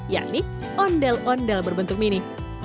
yakni ondel ondel berbentuk mini